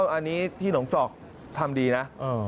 อันนี้ที่หนองจอกทำดีนะ